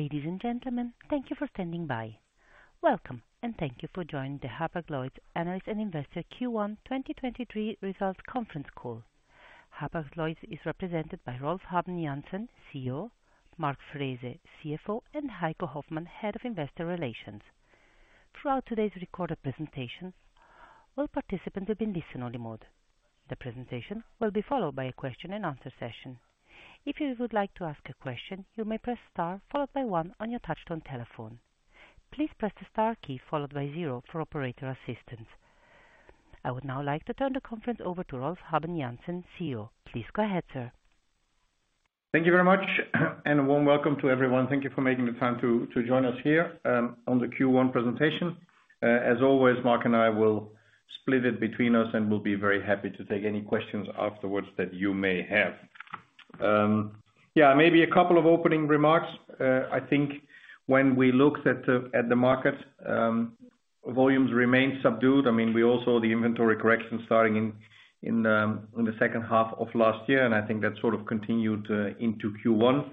Ladies and gentlemen, thank you for standing by. Welcome, and thank you for joining the Hapag-Lloyd Analysts and Investor Q1 2023 Result Conference Call. Hapag-Lloyd is represented by Rolf Habben Jansen, CEO, Mark Frese, CFO, and Heiko Hoffmann, Head of Investor Relations. Throughout today's recorded presentation, all participants will be in listen-only mode. The presentation will be followed by a question-and-answer session. If you would like to ask a question, you may press star followed by one on your touch-tone telephone. Please press the star key followed by zero for operator assistance. I would now like to turn the conference over to Rolf Habben Jansen, CEO. Please go ahead, sir. Thank you very much. A warm welcome to everyone. Thank you for making the time to join us here on the Q1 presentation. As always, Mark and I will split it between us. We'll be very happy to take any questions afterwards that you may have. Yeah, maybe a couple of opening remarks. I think when we look at the market, volumes remain subdued. I mean, we all saw the inventory correction starting in the second half of last year. I think that sort of continued into Q1. I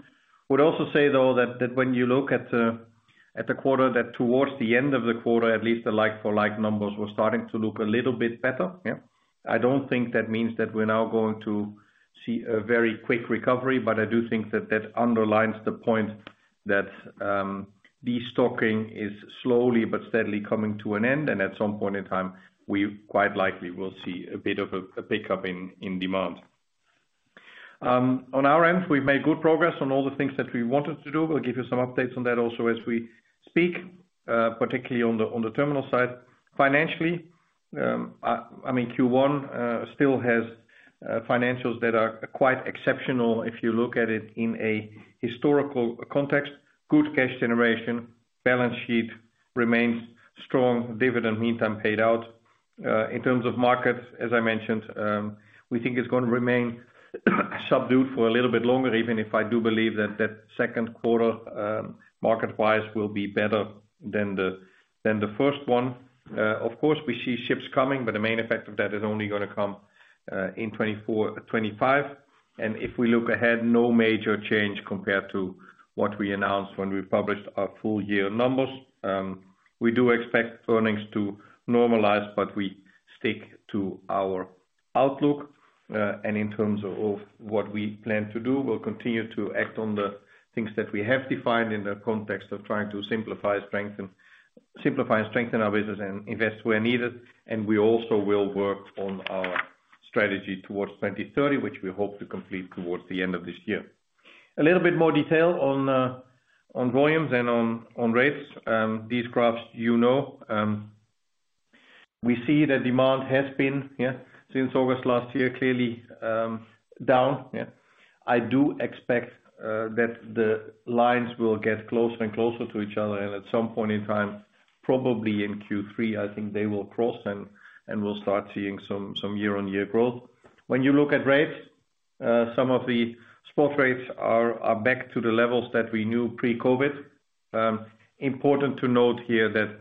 would also say, though, that when you look at the quarter, that towards the end of the quarter, at least the like-for-like numbers were starting to look a little bit better, yeah. I don't think that means that we're now going to see a very quick recovery, but I do think that that underlines the point that destocking is slowly but steadily coming to an end. At some point in time, we quite likely will see a bit of a pickup in demand. On our end, we've made good progress on all the things that we wanted to do. We'll give you some updates on that also as we speak, particularly on the terminal side. Financially, I mean, Q1 still has financials that are quite exceptional if you look at it in a historical context. Good cash generation, balance sheet remains strong, dividend meantime paid out. In terms of markets, as I mentioned, we think it's gonna remain subdued for a little bit longer, even if I do believe that that Q2, market-wise, will be better than the first one. Of course, we see ships coming, the main effect of that is only gonna come in 2024, 2025. If we look ahead, no major change compared to what we announced when we published our full year numbers. We do expect earnings to normalize, we stick to our outlook. In terms of what we plan to do, we'll continue to act on the things that we have defined in the context of trying to simplify and strengthen our business and invest where needed. We also will work on our strategy towards 2030, which we hope to complete towards the end of this year. A little bit more detail on volumes and on rates. These graphs you know. We see the demand has been, yeah, since August last year, clearly, down, yeah. I do expect that the lines will get closer and closer to each other, and at some point in time, probably in Q3, I think they will cross, and we'll start seeing some year-on-year growth. When you look at rates, some of the spot rates are back to the levels that we knew pre-COVID. Important to note here that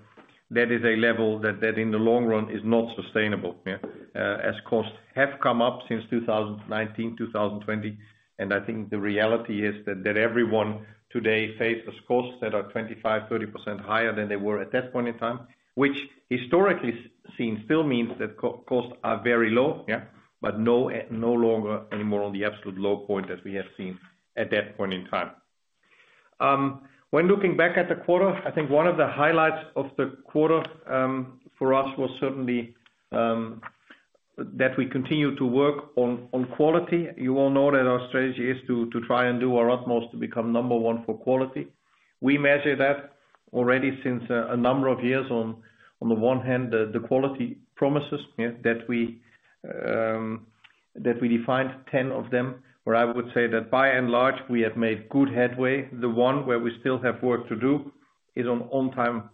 in the long run is not sustainable, yeah. As costs have come up since 2019, 2020, I think the reality is that everyone today faces costs that are 25%-30% higher than they were at that point in time. Historically seen still means that costs are very low, yeah, no longer anymore on the absolute low point as we have seen at that point in time. When looking back at the quarter, I think one of the highlights of the quarter for us was certainly that we continue to work on quality. You all know that our strategy is to try and do our utmost to become number one for quality. We measure that already since a number of years on the one hand, the quality promises, yeah, that we that we defined ten of them, where I would say that by and large, we have made good headway. The one where we still have work to do is on on-time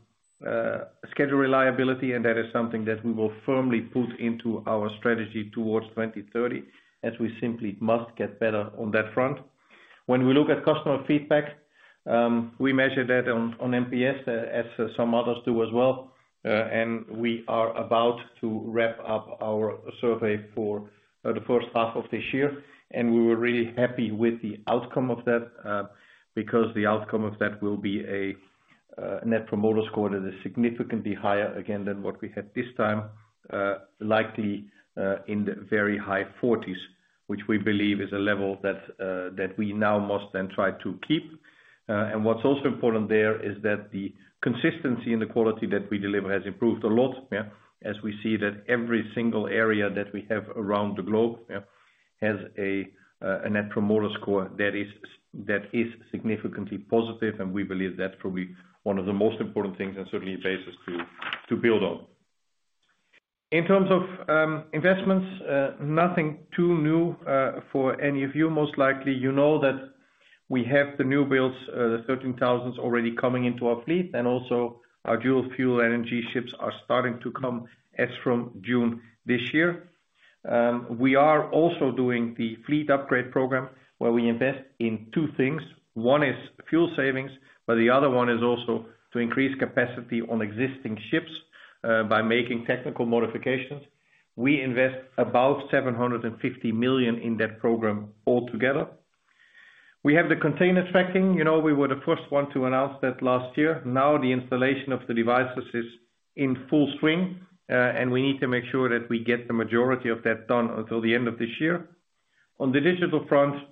schedule reliability. That is something that we will firmly put into our strategy towards 2030, as we simply must get better on that front. When we look at customer feedback, we measure that on NPS as some others do as well. We are about to wrap up our survey for the first half of this year, and we were really happy with the outcome of that, because the outcome of that will be a Net Promoter Score that is significantly higher again than what we had this time. Likely in the very high 40s, which we believe is a level that we now must then try to keep. What's also important there is that the consistency and the quality that we deliver has improved a lot, as we see that every single area that we have around the globe, has a Net Promoter Score that is significantly positive. We believe that's probably one of the most important things and certainly a basis to build on. In terms of investments, nothing too new for any of you. Most likely, you know that we have the new builds, the 13,000s already coming into our fleet, and also our dual-fuel energy ships are starting to come as from June this year. We are also doing the fleet upgrade program, where we invest in two things. One is fuel savings, but the other one is also to increase capacity on existing ships, by making technical modifications. We invest about $750 million in that program altogether. We have the container tracking. You know, we were the first one to announce that last year. Now the installation of the devices is in full swing, and we need to make sure that we get the majority of that done until the end of this year. On the digital front,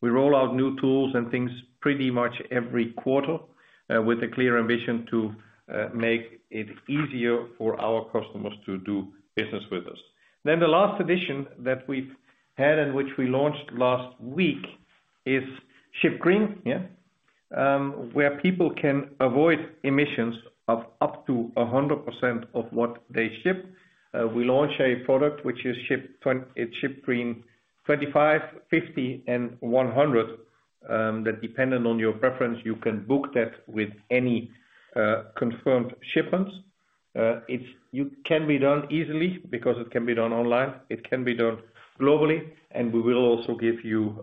we roll out new tools and things pretty much every quarter, with a clear ambition to make it easier for our customers to do business with us. The last addition that we've had and which we launched last week is Ship Green. Where people can avoid emissions of up to 100% of what they ship. We launch a product which is Ship Green 25, 50 and 100, that dependent on your preference, you can book that with any confirmed shipments. It can be done easily because it can be done online. It can be done globally, and we will also give you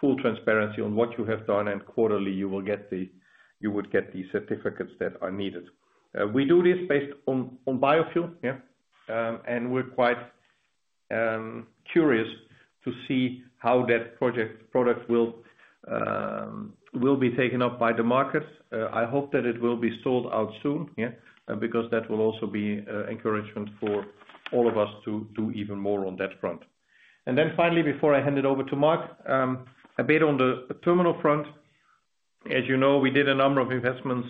full transparency on what you have done, and quarterly, you would get the certificates that are needed. We do this based on biofuel, yeah, we're quite curious to see how that product will be taken up by the market. I hope that it will be sold out soon, yeah, because that will also be encouragement for all of us to even more on that front. Finally, before I hand it over to Mark, a bit on the terminal front. As you know, we did a number of investments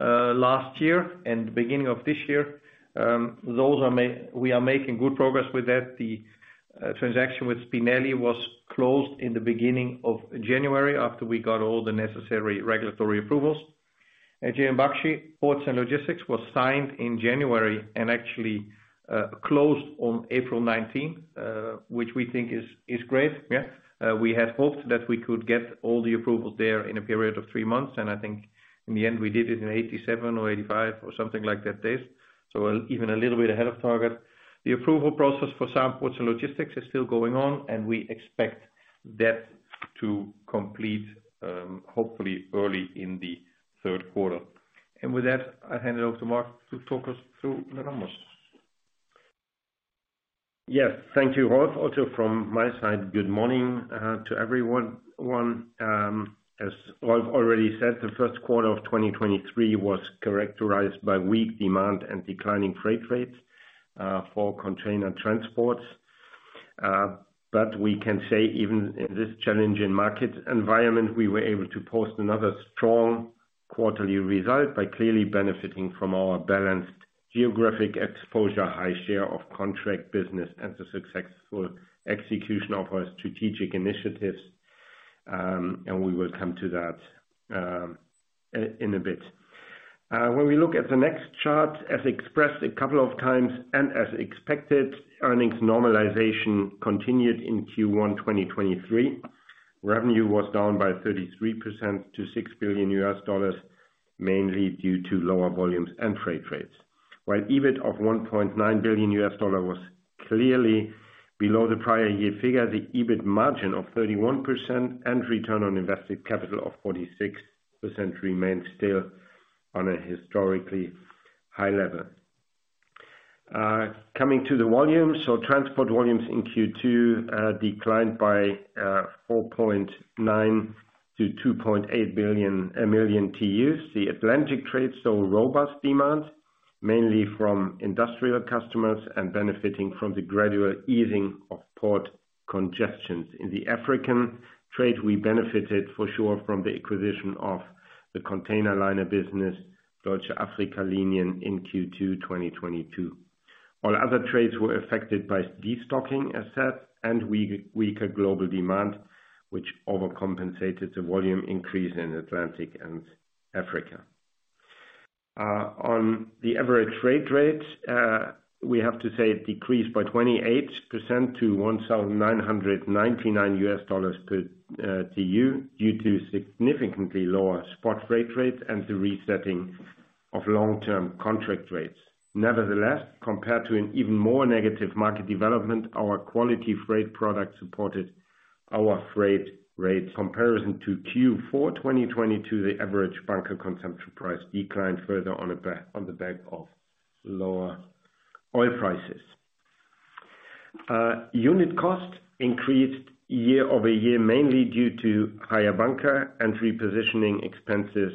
last year and the beginning of this year. Those are we are making good progress with that. The transaction with Spinelli was closed in the beginning of January after we got all the necessary regulatory approvals. JM Baxi Ports & Logistics was signed in January and actually closed on April 19th, which we think is great, yeah. We had hoped that we could get all the approval there in a period of three months, and I think in the end, we did it in 87 or 85 or something like that days. Even a little bit ahead of target. The approval process for SAAM Ports & Logistics is still going on, and we expect that to complete, hopefully early in the Q3. With that, I hand it over to Mark to talk us through the numbers. Yes. Thank you, Rolf. Also from my side, good morning to everyone. As Rolf already said, the Q1 of 2023 was characterized by weak demand and declining freight rates for container transports. We can say even in this challenging market environment, we were able to post another strong quarterly result by clearly benefiting from our balanced geographic exposure, high share of contract business, and the successful execution of our strategic initiatives, and we will come to that in a bit. When we look at the next chart, as expressed a couple of times and as expected, earnings normalization continued in Q1 2023. Revenue was down by 33% to $6 billion, mainly due to lower volumes and freight rates. While EBIT of $1.9 billion was clearly below the prior year figure, the EBIT margin of 31% and Return on Invested Capital of 46% remains still on a historically high level. Coming to the volumes, transport volumes in Q2 declined by 4.9million to 2.8 billion million TEUs. The Atlantic trade saw robust demand, mainly from industrial customers and benefiting from the gradual easing of port congestions. In the African trade, we benefited for sure from the acquisition of the container liner business, Deutsche Afrika-Linien, in Q2 2022. All other trades were affected by destocking asset and weaker global demand, which overcompensated the volume increase in Atlantic and Africa. On the average freight rates, we have to say it decreased by 28% to $1,999 per TEU due to significantly lower spot freight rates and the resetting of long-term contract rates. Nevertheless, compared to an even more negative market development, our quality freight product supported our freight rates. Comparison to Q4 2022, the average bunker consumption price declined further on the back of lower oil prices. Unit cost increased year-over-year, mainly due to higher bunker and repositioning expenses,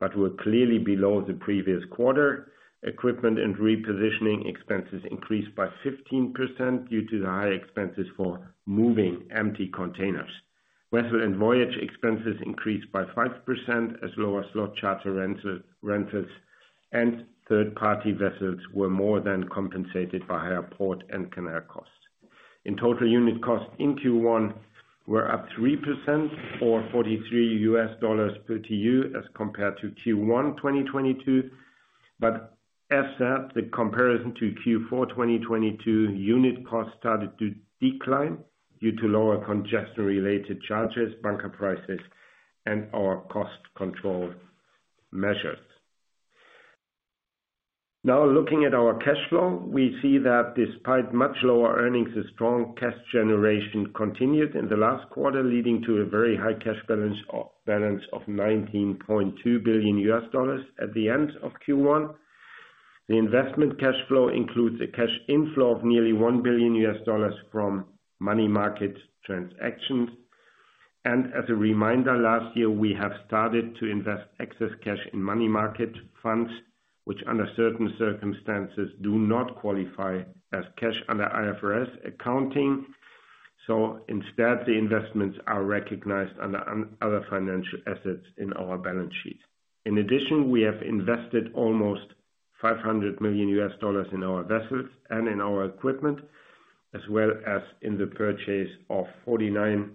but were clearly below the previous quarter. Equipment and repositioning expenses increased by 15% due to the higher expenses for moving empty containers. Vessel and voyage expenses increased by 5% as lower slot charter rentals and third-party vessels were more than compensated by higher port and canal costs. In total, unit costs in Q1 were up 3% or $43 per TEU as compared to Q1 2022. As the comparison to Q4 2022, unit cost started to decline due to lower congestion-related charges, bunker prices, and our cost control measures. Looking at our cash flow, we see that despite much lower earnings, the strong cash generation continued in the last quarter, leading to a very high cash balance of $19.2 billion at the end of Q1. The investment cash flow includes a cash inflow of nearly $1 billion from money market transactions. As a reminder, last year we have started to invest excess cash in money market funds, which under certain circumstances do not qualify as cash under IFRS accounting. Instead, the investments are recognized under other financial assets in our balance sheet. In addition, we have invested almost $500 million in our vessels and in our equipment, as well as in the purchase of 49%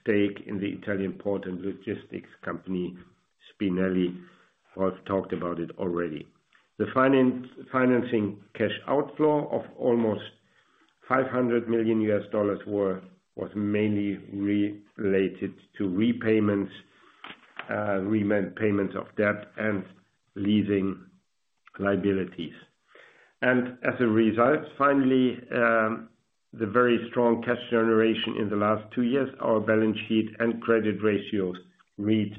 stake in the Italian port and logistics company, Spinelli. Rolf talked about it already. Financing cash outflow of almost $500 million worth was mainly related to repayments, remit payments of debt and leasing liabilities. As a result, finally, the very strong cash generation in the last two years, our balance sheet and credit ratios reached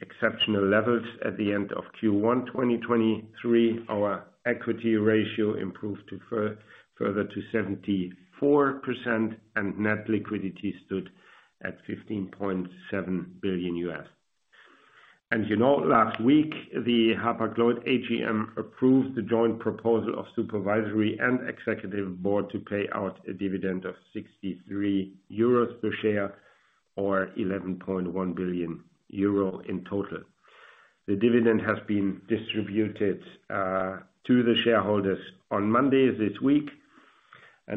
exceptional levels at the end of Q1, 2023. Our equity ratio improved further to 74%, and net liquidity stood at $15.7 billion. You know, last week, the Hapag-Lloyd AGM approved the joint proposal of supervisory and executive board to pay out a dividend of 63 euros per share or 11.1 billion euro in total. The dividend has been distributed to the shareholders on Monday this week.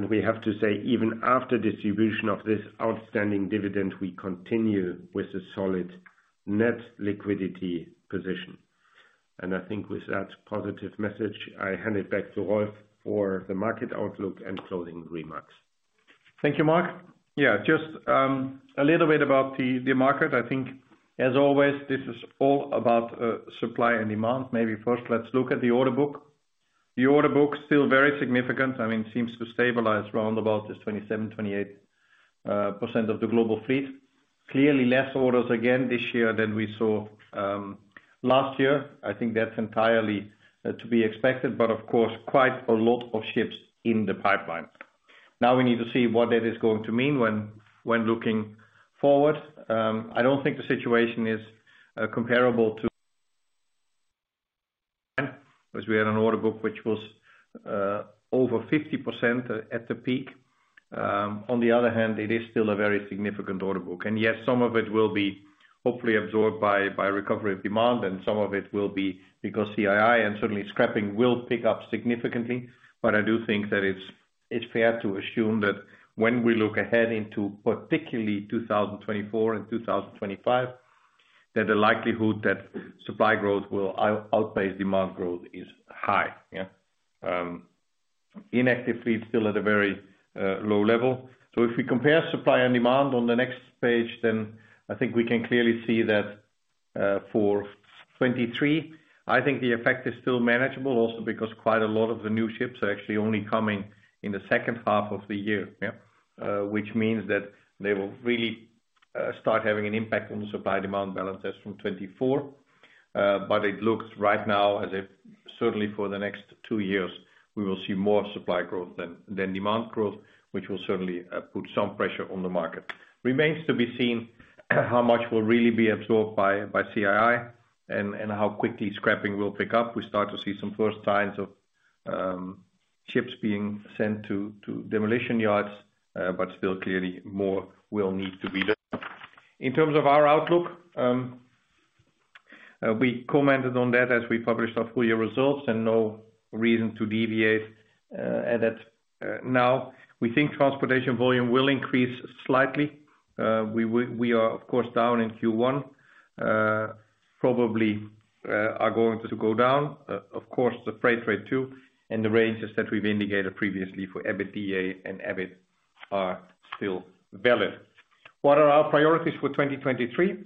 We have to say, even after distribution of this outstanding dividend, we continue with a solid net liquidity position. I think with that positive message, I hand it back to Rolf for the market outlook and closing remarks. Thank you, Mark. Yeah, just a little bit about the market. I think as always, this is all about supply and demand. Maybe first, let's look at the order book. The order book's still very significant. I mean, seems to stabilize around about this 27%, 28% of the global fleet. Clearly less orders again this year than we saw last year. I think that's entirely to be expected, but of course, quite a lot of ships in the pipeline. We need to see what that is going to mean when looking forward. I don't think the situation is comparable to as we had an order book, which was over 50% at the peak. On the other hand, it is still a very significant order book. Yes, some of it will be hopefully absorbed by recovery of demand, and some of it will be because CII and certainly scrapping will pick up significantly. I do think that it's fair to assume that when we look ahead into particularly 2024 and 2025, that the likelihood that supply growth will outpace demand growth is high, yeah. Inactive fleet's still at a very low level. If we compare supply and demand on the next page, I think we can clearly see that for '23, I think the effect is still manageable, also because quite a lot of the new ships are actually only coming in the second half of the year, yeah. Which means that they will really start having an impact on the supply-demand balance as from '24. It looks right now as if certainly for the next two years, we will see more supply growth than demand growth, which will certainly put some pressure on the market. Remains to be seen how much will really be absorbed by CII and how quickly scrapping will pick up. We start to see some first signs of ships being sent to demolition yards, but still clearly more will need to be done. In terms of our outlook, we commented on that as we published our full year results and no reason to deviate at it now. We think transportation volume will increase slightly. We are of course, down in Q1. Probably are going to go down. Of course, the freight rate too. The ranges that we've indicated previously for EBITDA and EBIT are still valid. What are our priorities for 2023?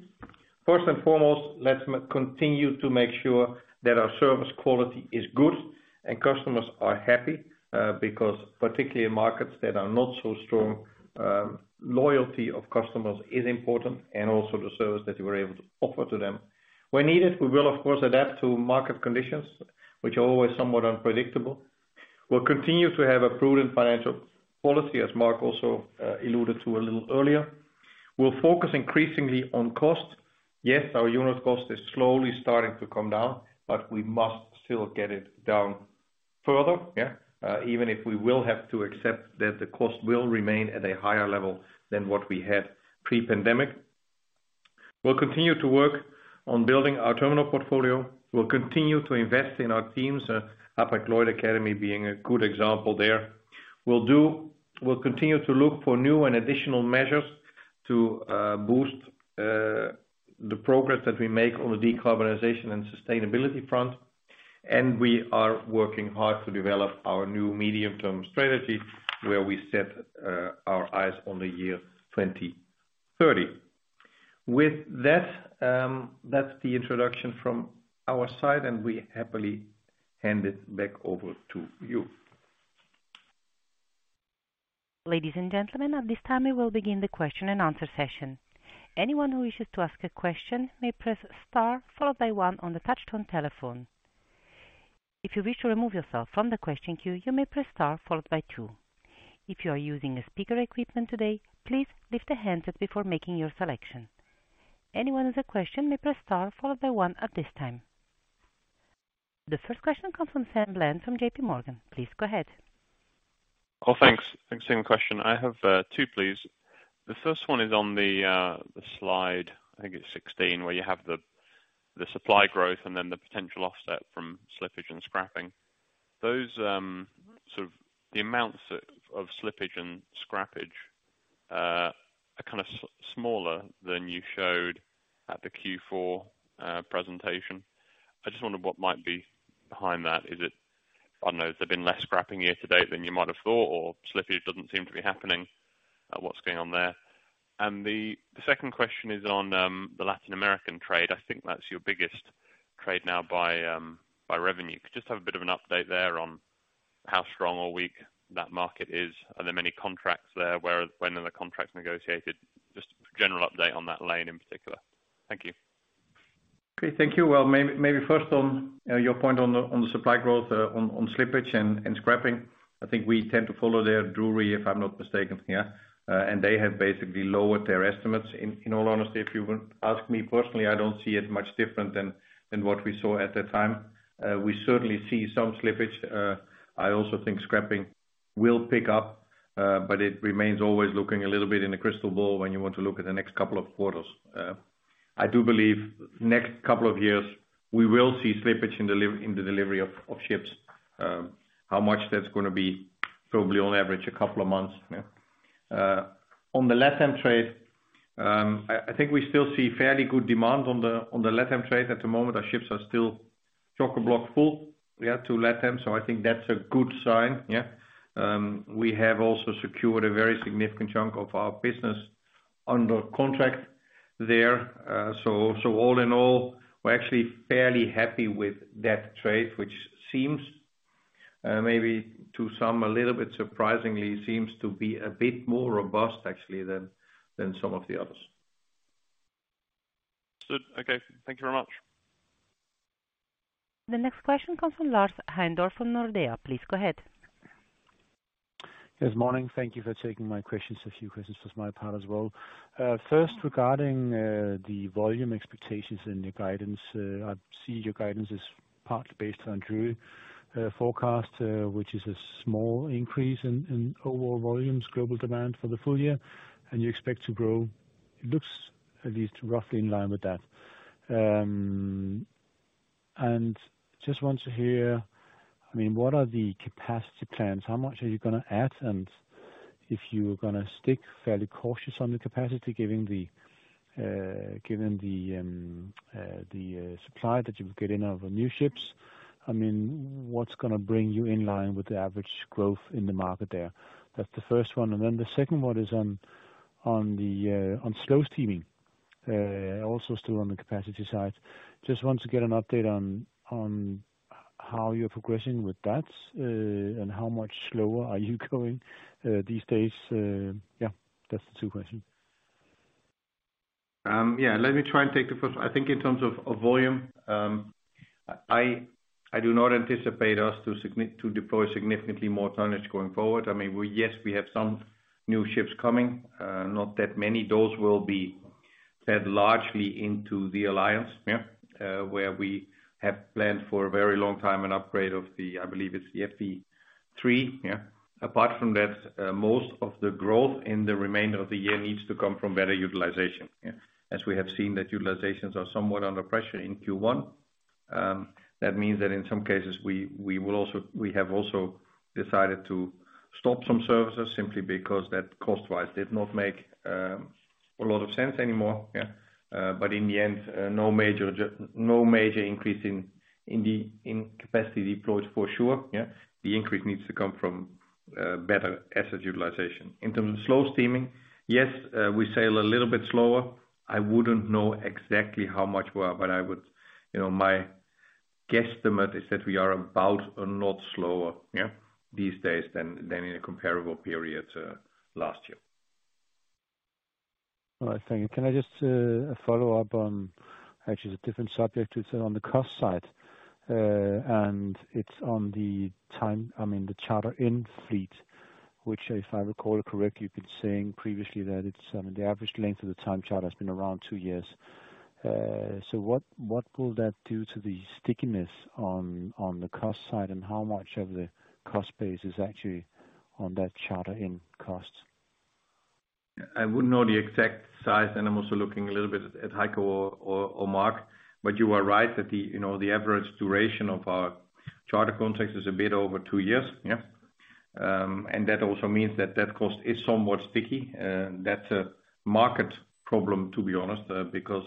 First and foremost, let's continue to make sure that our service quality is good and customers are happy, because particularly in markets that are not so strong, loyalty of customers is important and also the service that you are able to offer to them. Where needed, we will of course adapt to market conditions which are always somewhat unpredictable. We'll continue to have a prudent financial policy, as Mark also alluded to a little earlier. We'll focus increasingly on cost. Yes, our unit cost is slowly starting to come down, but we must still get it down further, yeah. Even if we will have to accept that the cost will remain at a higher level than what we had pre-pandemic. We'll continue to work on building our terminal portfolio. We'll continue to invest in our teams, Hapag-Lloyd Academy being a good example there. We'll continue to look for new and additional measures to boost the progress that we make on the decarbonization and sustainability front. We are working hard to develop our new medium-term strategy where we set our eyes on the year 2030. With that's the introduction from our side, and we happily hand it back over to you. Ladies and gentlemen, at this time we will begin the question and answer session. Anyone who wishes to ask a question may press star followed by one on the touch-tone telephone. If you wish to remove yourself from the question queue, you may press star followed by two. If you are using a speaker equipment today, please lift the handset before making your selection. Anyone with a question may press star followed by one at this time. The first question comes from Samuel Bland from J.P. Morgan. Please go ahead. Oh, thanks. Thanks. Same question. I have two, please. The first one is on the slide, I think it's 16, where you have the supply growth and then the potential offset from slippage and scrapping. Those, sort of the amounts of slippage and scrappage, are kinda smaller than you showed at the Q4 presentation. I just wonder what might be behind that. I know there's been less scrapping year to date than you might have thought or slippage doesn't seem to be happening. What's going on there? The second question is on the Latin American trade. I think that's your biggest trade now by revenue. Could just have a bit of an update there on how strong or weak that market is. Are there many contracts there? When are the contracts negotiated? Just general update on that lane in particular. Thank you. Okay. Thank you. Well, maybe first on your point on the supply growth, on slippage and scrapping. I think we tend to follow Drewry, if I'm not mistaken, yeah. And they have basically lowered their estimates. In all honesty, if you would ask me personally, I don't see it much different than what we saw at that time. We certainly see some slippage. I also think scrapping will pick up, but it remains always looking a little bit in a crystal ball when you want to look at the next couple of quarters. I do believe next couple of years, we will see slippage in the delivery of ships. How much that's gonna be, probably on average, a couple of months, yeah. On the Latin trade, I think we still see fairly good demand on the Latin trade. At the moment, our ships are still chock-a-block full. We have two Latins, I think that's a good sign, yeah. We have also secured a very significant chunk of our business under contract there. All in all, we're actually fairly happy with that trade, which seems, maybe to some, a little bit surprisingly, seems to be a bit more robust, actually, than some of the others. Good. Okay. Thank you very much. The next question comes from Lars Heindorff from Nordea. Please go ahead. Yes, morning. Thank you for taking my questions. A few questions from my part as well. First, regarding the volume expectations in your guidance, I see your guidance is partly based on Drewry forecast, which is a small increase in overall volumes, global demand for the full year, and you expect to grow. It looks at least roughly in line with that. Just want to hear, I mean, what are the capacity plans? How much are you gonna add? If you're gonna stick fairly cautious on the capacity, given the supply that you'll be getting out of new ships, I mean, what's gonna bring you in line with the average growth in the market there? That's the first one. The second one is on the, on slow steaming, also still on the capacity side. Just want to get an update on how you're progressing with that, and how much slower are you going these days. Yeah, that's the two questions. Yeah. Let me try and take the first. I think in terms of volume, I do not anticipate us to deploy significantly more tonnage going forward. I mean, yes, we have some new ships coming, not that many. Those will be fed largely into the alliance, yeah, where we have planned for a very long time an upgrade of the, I believe it's the FE-3, yeah. Apart from that, most of the growth in the remainder of the year needs to come from better utilization, yeah. As we have seen that utilizations are somewhat under pressure in Q1, that means that in some cases we have also decided to stop some services simply because that cost-wise did not make a lot of sense anymore, yeah. In the end, no major increase in the capacity deployed for sure, yeah. The increase needs to come from better asset utilization. In terms of slow steaming, yes, we sail a little bit slower. I wouldn't know exactly how much we are, but you know, my guesstimate is that we are about a lot slower, yeah, these days than in a comparable period last year. All right. Thank you. Can I just follow up on actually a different subject? It's on the cost side, and it's on the time, I mean, the charter in fleet, which if I recall correctly, you've been saying previously that it's the average length of the time charter has been around two years. What will that do to the stickiness on the cost side? How much of the cost base is actually on that charter in cost? I wouldn't know the exact size, and I'm also looking a little bit at Heiko Hoffmann or Mark Frese, but you are right that the, you know, the average duration of our charter contracts is a bit over two years. That also means that that cost is somewhat sticky. That's a market problem, to be honest, because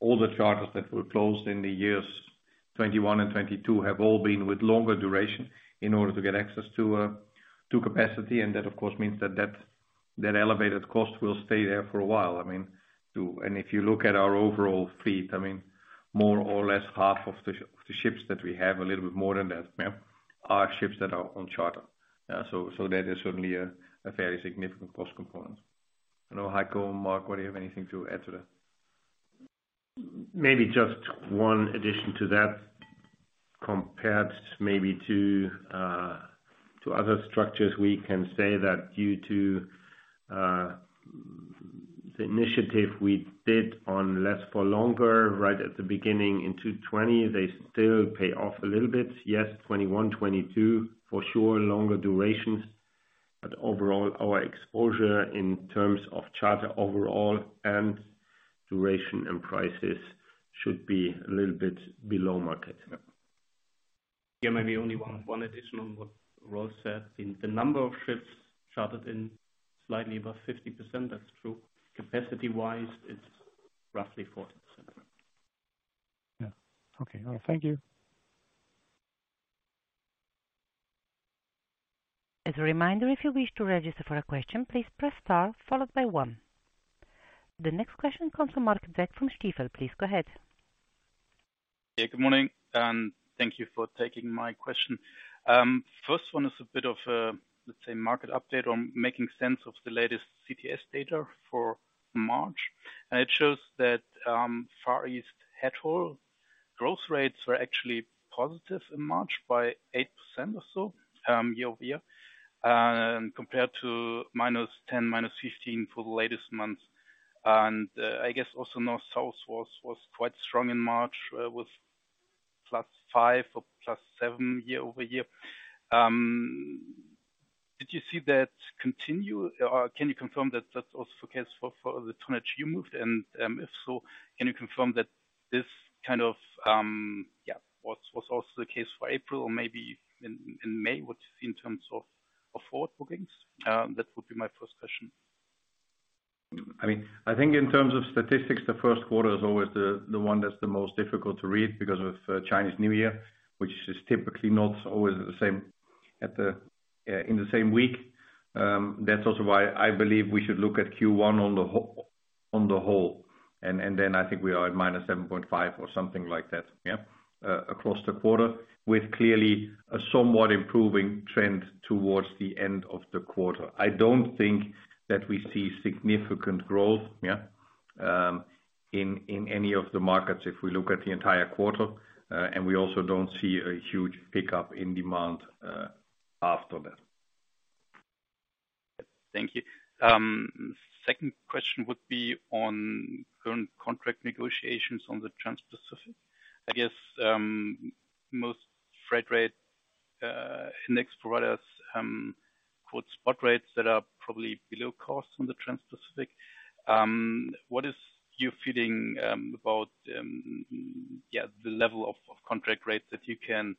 all the charters that were closed in the years 2021 and 2022 have all been with longer duration in order to get access to capacity, and that of course means that elevated cost will stay there for a while. I mean, if you look at our overall fleet, I mean, more or less half of the ships that we have, a little bit more than that, are ships that are on charter. That is certainly a fairly significant cost component. I don't know, Heiko, Mark, whether you have anything to add to that? Maybe just one addition to that. Compared maybe to other structures, we can say that due to the initiative we did on less for longer, right at the beginning in 2020, they still pay off a little bit. 2021, 2022 for sure, longer durations, but overall, our exposure in terms of charter overall and duration and prices should be a little bit below market. Yeah. Maybe only one addition on what Rolf said. In the number of ships chartered in slightly above 50%, that's true. Capacity-wise, it's roughly 40%. Yeah. Okay. All right. Thank you. As a reminder, if you wish to register for a question, please press star followed by one. The next question comes from Marc Zeck from Stifel. Please go ahead. Good morning, thank you for taking my question. First one is a bit of a, let's say, market update on making sense of the latest CTS data for March. It shows that Far East headhaul growth rates were actually positive in March by 8% or so, year-over-year, compared to -10%, -15% for the latest month. I guess also North South was quite strong in March with +5% or +7% year-over-year. Did you see that continue or can you confirm that that's also the case for the tonnage you moved? If so, can you confirm that this kind of was also the case for April or maybe in May, what you see in terms of forward bookings? That would be my first question. I mean, I think in terms of statistics, the Q1 is always the one that's the most difficult to read because of Chinese New Year, which is typically not always the same in the same week. That's also why I believe we should look at Q1 on the whole, and then I think we are at -7.5 or something like that, yeah, across the quarter, with clearly a somewhat improving trend towards the end of the quarter. I don't think that we see significant growth, yeah, in any of the markets if we look at the entire quarter, we also don't see a huge pickup in demand after that. Thank you. Second question would be on current contract negotiations on the Transpacific. I guess, most freight rate index providers quote spot rates that are probably below cost on the Transpacific. What is your feeling about the level of contract rates that you can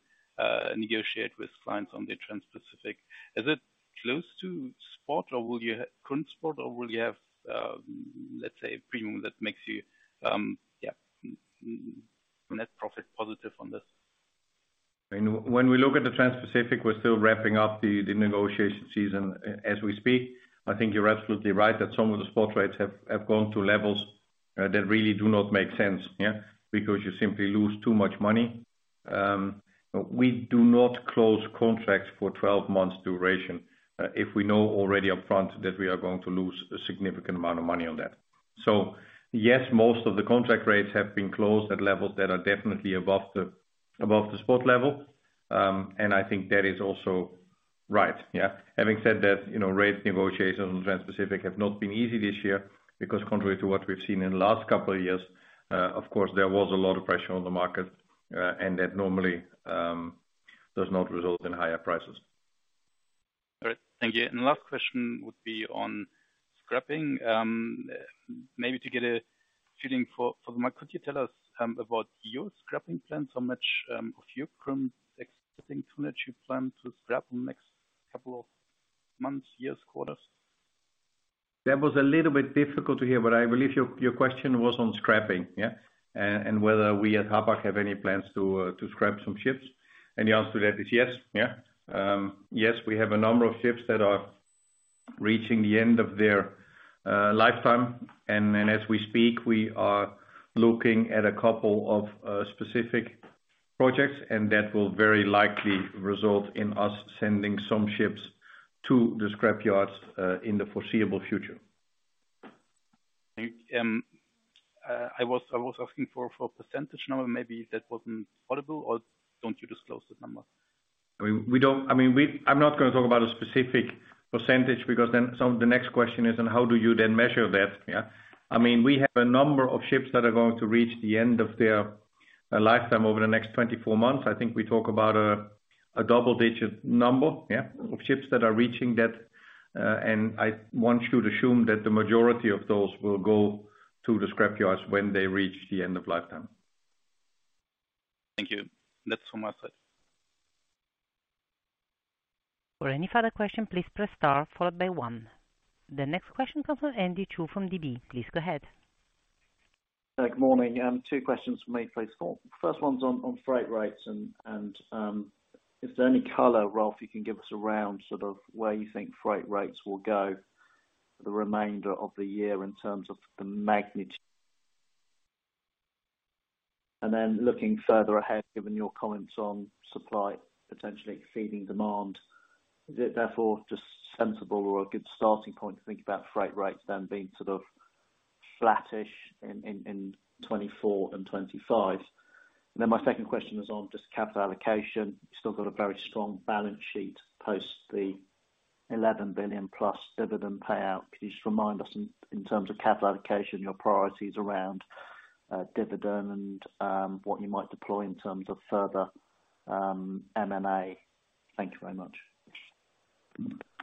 negotiate with clients on the Transpacific? Is it close to spot or will you have current spot, or will you have let's say premium that makes you net profit positive on this? When we look at the Transpacific, we're still wrapping up the negotiation season as we speak. I think you're absolutely right that some of the spot rates have gone to levels that really do not make sense, yeah, because you simply lose too much money. We do not close contracts for 12 months duration, if we know already upfront that we are going to lose a significant amount of money on that. Yes, most of the contract rates have been closed at levels that are definitely above the spot level. I think that is also right. Yeah. Having said that, you know, rate negotiations on Transpacific have not been easy this year because contrary to what we've seen in the last couple of years, of course, there was a lot of pressure on the market, that normally does not result in higher prices. All right. Thank you. Last question would be on scrapping. Maybe to get a feeling for the market, could you tell us about your scrapping plans? How much of your current expecting tonnage you plan to scrap in the next couple of months, years, quarters? That was a little bit difficult to hear, but I believe your question was on scrapping, yeah, and whether we at Hapag have any plans to scrap some ships. The answer to that is yes, yeah. Yes, we have a number of ships that are reaching the end of their lifetime. As we speak, we are looking at a couple of specific projects, and that will very likely result in us sending some ships to the scrap yards in the foreseeable future. Thank you. I was asking for a percentage number. Maybe that wasn't audible or don't you disclose that number? I mean, I'm not gonna talk about a specific percentage because then some of the next question is, and how do you then measure that? Yeah. I mean, we have a number of ships that are going to reach the end of their lifetime over the next 24 months. I think we talk about a double-digit number, yeah, of ships that are reaching that. I want you to assume that the majority of those will go to the scrap yards when they reach the end of lifetime. Thank you. That's from my side. For any further question, please press star followed by one. The next question comes from Andy Chu from DB. Please go ahead. Good morning. Two questions from me, please. First one's on freight rates and, is there any color, Rolf, you can give us around sort of where you think freight rates will go for the remainder of the year in terms of the magnitude? Looking further ahead, given your comments on supply potentially exceeding demand, is it therefore just sensible or a good starting point to think about freight rates then being sort of flattish in 2024 and 2025? My second question is on just capital allocation. You still got a very strong balance sheet post the 11 billion plus dividend payout. Could you just remind us in terms of capital allocation, your priorities around dividend and what you might deploy in terms of further M&A? Thank you very much.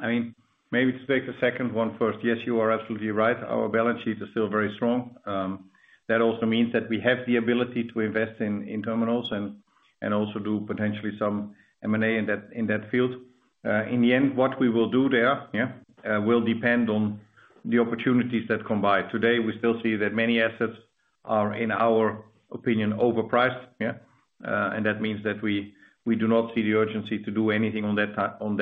I mean, maybe to take the second one first. Yes, you are absolutely right. Our balance sheet is still very strong. That also means that we have the ability to invest in terminals and also do potentially some M&A in that field. In the end, what we will do there will depend on the opportunities that come by. Today, we still see that many assets are, in our opinion, overpriced. That means that we do not see the urgency to do anything on that soon.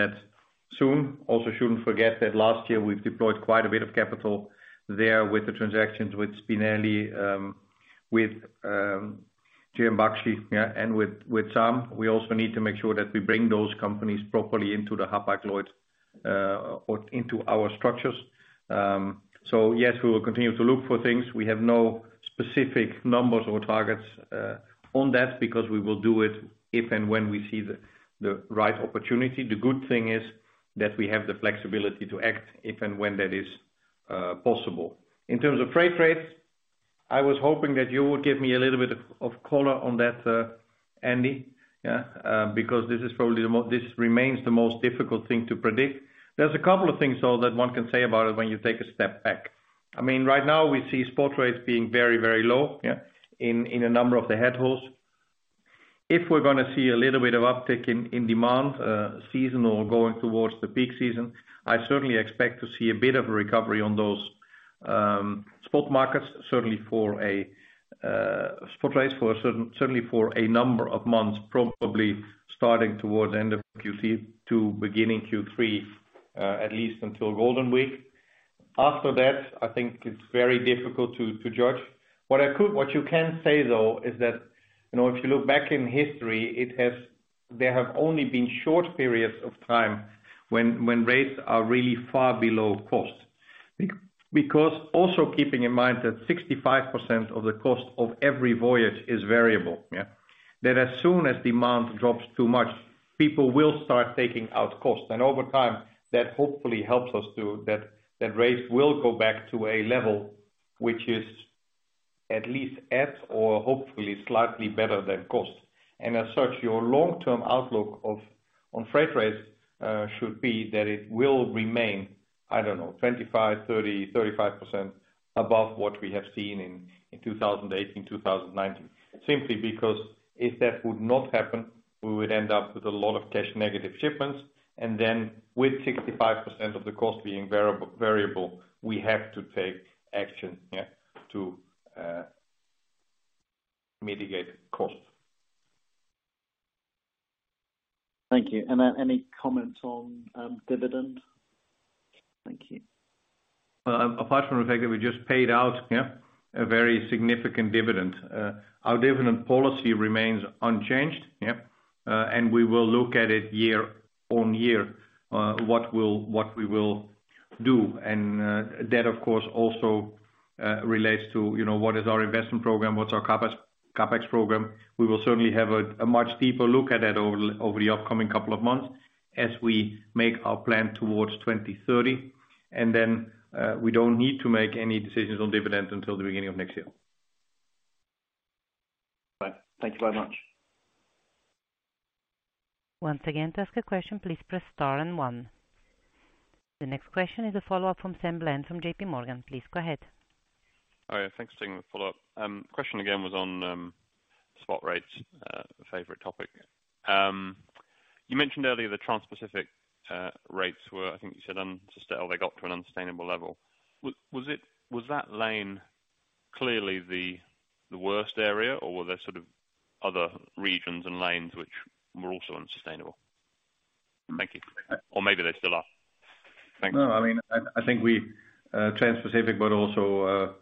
Also shouldn't forget that last year we've deployed quite a bit of capital there with the transactions with Spinelli Group, with JM Baxi, and with SAAM. We also need to make sure that we bring those companies properly into the Hapag-Lloyd or into our structures. Yes, we will continue to look for things. We have no specific numbers or targets on that because we will do it if and when we see the right opportunity. The good thing is that we have the flexibility to act if and when that is possible. In terms of freight rates, I was hoping that you would give me a little bit of color on that, Andy. This remains the most difficult thing to predict. There's a couple of things, though, that one can say about it when you take a step back. I mean, right now we see spot rates being very low in a number of the headhauls. If we're gonna see a little bit of uptick in demand, seasonal or going towards the peak season, I certainly expect to see a bit of a recovery on those spot markets, certainly for a number of months, probably starting towards the end of Q2, beginning Q3, at least until Golden Week. After that, I think it's very difficult to judge. What you can say, though, is that, you know, if you look back in history, there have only been short periods of time when rates are really far below cost. Because also keeping in mind that 65% of the cost of every voyage is variable. That as soon as demand drops too much, people will start taking out costs. Over time, that hopefully helps us to... that rates will go back to a level which is at least at or hopefully slightly better than cost. As such, your long-term outlook of, on freight rates, should be that it will remain, I don't know, 25%, 30%, 35% above what we have seen in 2018, 2019. Simply because if that would not happen, we would end up with a lot of cash negative shipments, and then with 65% of the cost being variable, we have to take action, yeah, to mitigate costs. Thank you. Any comments on dividend? Thank you. Apart from the fact that we just paid out, yeah, a very significant dividend, our dividend policy remains unchanged, yeah. We will look at it year-year, what we will do. That of course, also, relates to, you know, what is our investment program, what's our CapEx program. We will certainly have a much deeper look at that over the upcoming couple of months as we make our plan towards 2030. Then, we don't need to make any decisions on dividend until the beginning of next year. All right. Thank you very much. Once again, to ask a question, please press star and one. The next question is a follow-up from Sam Bland from J.P. Morgan. Please go ahead. Oh, yeah. Thanks for taking the follow-up. Question again was on spot rates, favorite topic. You mentioned earlier the Transpacific rates were, I think you said unsustainable, they got to an unsustainable level. Was that lane clearly the worst area, or were there sort of other regions and lanes which were also unsustainable? Thank you. Or maybe they still are. Thanks. No, I mean, I think we, Transpacific, also,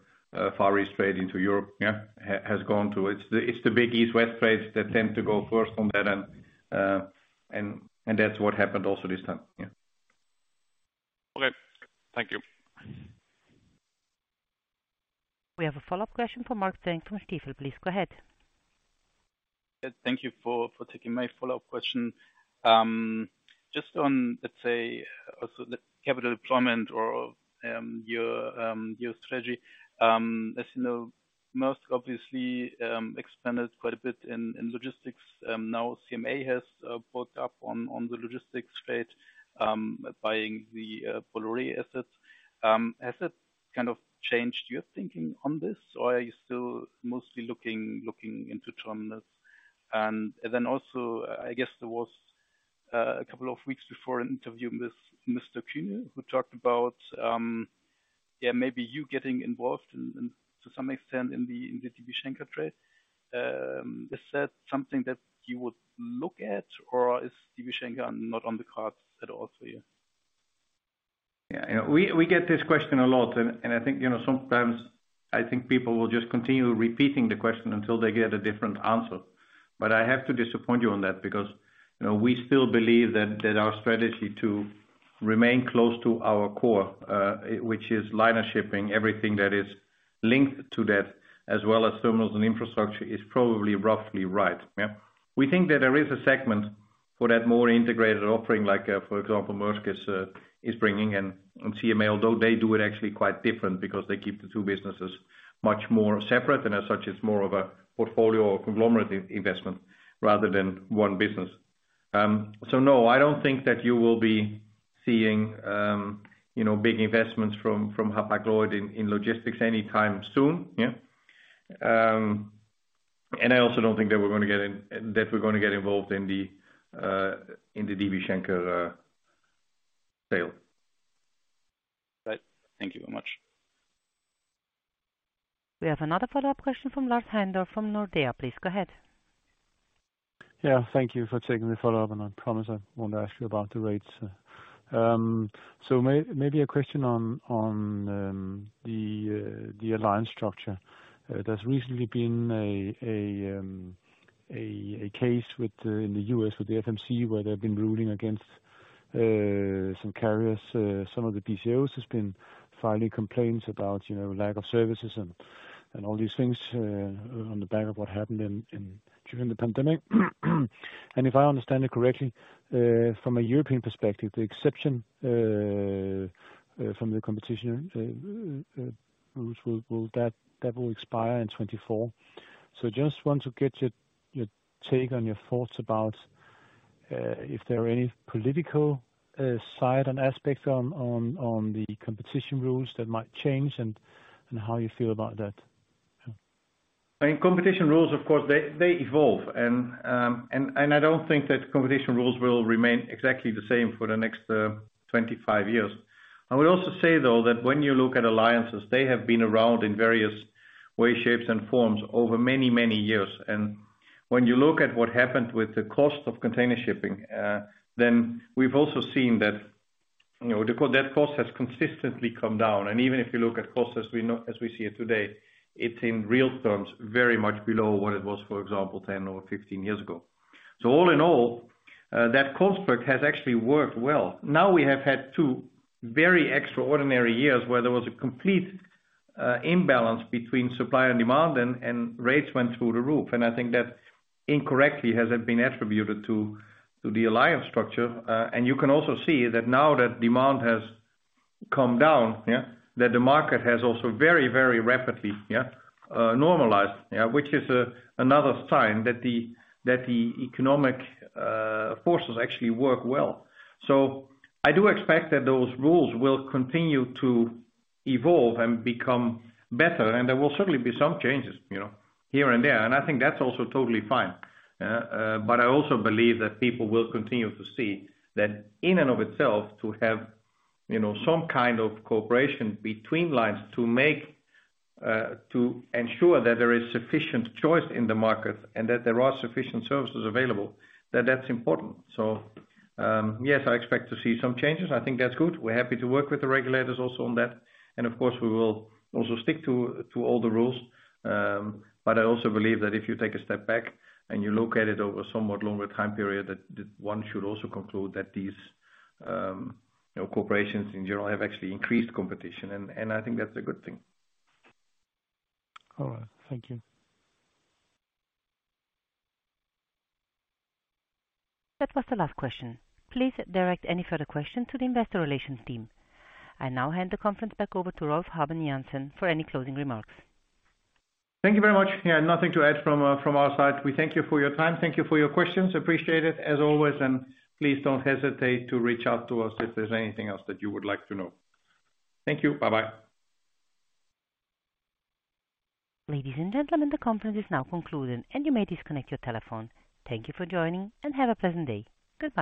Far East trade into Europe, yeah, has gone through. It's the big East-West trades that tend to go first on that, and that's what happened also this time. Yeah. Okay. Thank you. We have a follow-up question from Marc Zeck from Stifel. Please go ahead. Thank you for taking my follow-up question. Just on, let's say, also the capital deployment or your strategy. As you know, Maersk obviously expanded quite a bit in logistics. Now CMA has bought up on the logistics trade, buying the Bolloré assets. Has that kind of changed your thinking on this, or are you still mostly looking into terminals? Also, I guess there was a couple of weeks before an interview with Mr. Kühne, who talked about, maybe you getting involved in to some extent in the DB Schenker trade. Is that something that you would look at or is DB Schenker not on the cards at all for you? Yeah, you know, we get this question a lot, and I think, you know, sometimes I think people will just continue repeating the question until they get a different answer. I have to disappoint you on that because, you know, we still believe that our strategy to remain close to our core, which is liner shipping, everything that is linked to that, as well as terminals and infrastructure, is probably roughly right, yeah? We think that there is a segment for that more integrated offering, like, for example, Maersk is bringing in on CMA, although they do it actually quite different because they keep the two businesses much more separate, and as such, it's more of a portfolio or conglomerate in-investment rather than one business. No, I don't think that you will be seeing, you know, big investments from Hapag-Lloyd in logistics anytime soon, yeah? I also don't think that we're gonna get involved in the DB Schenker sale. Right. Thank you very much. We have another follow-up question from Lars Heindorff from Nordea. Please go ahead. Thank you for taking the follow-up. I promise I won't ask you about the rates. Maybe a question on the alliance structure. There's recently been a case in the U.S. with the FMC where they've been ruling against some carriers. Some of the BCOs has been filing complaints about, you know, lack of services and all these things on the back of what happened during the pandemic. If I understand it correctly, from a European perspective, the exception from the competition rules will expire in 2024. Just want to get your take and your thoughts about if there are any political side and aspects on the competition rules that might change and how you feel about that? Competition rules, of course, they evolve, and I don't think that competition rules will remain exactly the same for the next 25 years. I would also say, though, that when you look at alliances, they have been around in various way, shapes, and forms over many, many years. When you look at what happened with the cost of container shipping, then we've also seen that, you know, that cost has consistently come down. Even if you look at costs as we know, as we see it today, it's in real terms very much below what it was, for example, 10 or 15 years ago. All in all, that cost perk has actually worked well. Now we have had two very extraordinary years where there was a complete imbalance between supply and demand, and rates went through the roof. I think that incorrectly has been attributed to the alliance structure. You can also see that now that demand has come down, yeah, that the market has also very, very rapidly, yeah, normalized, yeah, which is another sign that the economic forces actually work well. I do expect that those rules will continue to evolve and become better. There will certainly be some changes, you know, here and there, and I think that's also totally fine. I also believe that people will continue to see that in and of itself to have, you know, some kind of cooperation between lines to make, to ensure that there is sufficient choice in the market and that there are sufficient services available, that that's important. Yes, I expect to see some changes. I think that's good. We're happy to work with the regulators also on that. Of course, we will also stick to all the rules. I also believe that if you take a step back and you look at it over a somewhat longer time period, that one should also conclude that these, you know, corporations in general have actually increased competition. I think that's a good thing. All right. Thank you. That was the last question. Please direct any further question to the investor relations team. I now hand the conference back over to Rolf Habben Jansen for any closing remarks. Thank you very much. Yeah, nothing to add from our side. We thank you for your time. Thank you for your questions. Appreciate it as always. Please don't hesitate to reach out to us if there's anything else that you would like to know. Thank you. Bye-bye. Ladies and gentlemen, the conference is now concluded and you may disconnect your telephone. Thank you for joining, and have a pleasant day. Goodbye.